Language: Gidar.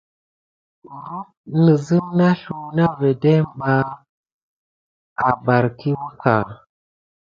Kurum ne sim na zliku na vedem ɓa a barkiwuka.